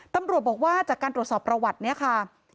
ตำรวจบอกว่าจากการตรวจสอบประวัติเนี่ยค่ะ